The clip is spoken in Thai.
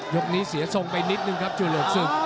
ยกนี้เสียทรงไปนิดนึงครับจะหลุดสึก